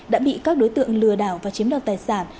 đã bị các đối tượng lừa đảo và chiếm đoạt tài sản